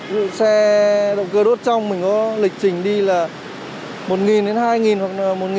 với xe động cơ đốt trong mình có lịch trình đi là một đến hai đồng